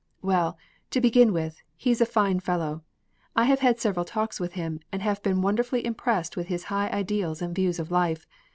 "Well, to begin with, he's a fine fellow. I have had several talks with him, and have been wonderfully impressed with his high ideals and views of life.